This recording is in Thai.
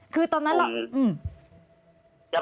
คือตอนนั้นเรา